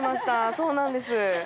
そうなんです。